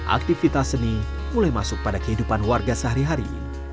aktivitas seni mulai masuk pada kehidupan warga sehari hari